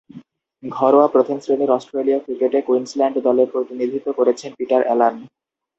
ঘরোয়া প্রথম-শ্রেণীর অস্ট্রেলীয় ক্রিকেটে কুইন্সল্যান্ড দলের প্রতিনিধিত্ব করেছেন পিটার অ্যালান।